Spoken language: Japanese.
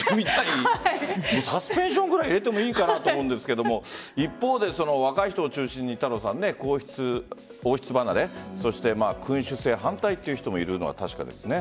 サスペンションくらい入れてもいいかなと思うんですが一方で若い人を中心に王室離れ、そして君主制反対という人もいるのは確かですね。